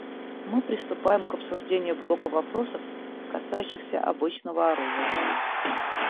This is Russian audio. Мы приступаем к обсуждению блока вопросов, касающихся обычного оружия.